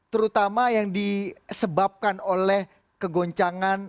terutama yang disebabkan oleh kegoncangan